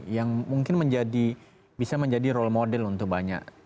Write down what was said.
yang mungkin bisa menjadi role model untuk banyak